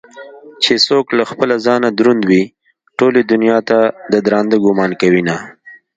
چې څوك له خپله ځانه دروندوي ټولې دنياته ددراندۀ ګومان كوينه